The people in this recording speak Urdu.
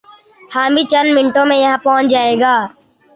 حامد چند منٹوں میں یہاں پہنچ جائے گا